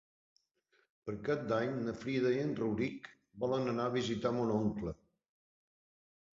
Per Cap d'Any na Frida i en Rauric volen anar a visitar mon oncle.